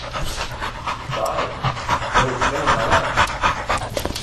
– Daýy, böwürslenem alaý.